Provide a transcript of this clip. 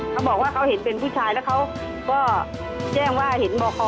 เขาบอกว่าเขาเห็นเป็นผู้ชายแล้วเขาก็แจ้งว่าเห็นบ่อคอ